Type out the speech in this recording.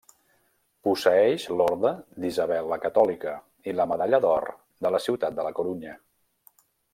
Posseeix l'Orde d'Isabel la Catòlica i la Medalla d'Or de la ciutat de La Corunya.